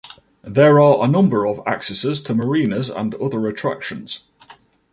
There are a number of accesses to marinas and other attractions.